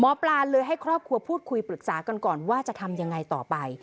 หมอปลาเลยให้ครอบครัวพูดคุยปรึกษากันก่อนว่าจะทำยังไงต่อไป